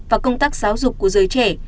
và công tác giáo dục của giới trẻ